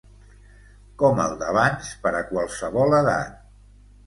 Com el d’abans, per a qualsevol edat.